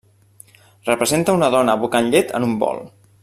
Representa una dona abocant llet en un bol.